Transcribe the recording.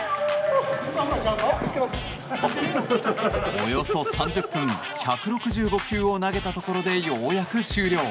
およそ３０分１６５球を投げたところでようやく終了。